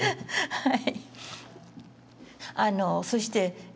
はい。